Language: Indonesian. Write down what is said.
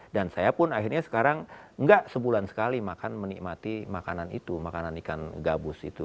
dan saya pun akhirnya sekarang tidak sebulan sekali makan menikmati makanan itu makanan ikan gabus itu